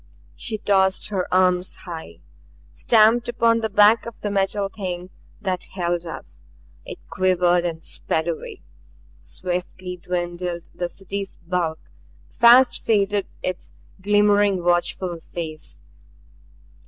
She tossed her arms high; stamped upon the back of the Metal Thing that held us. It quivered and sped away. Swiftly dwindled the City's bulk; fast faded its glimmering watchful face.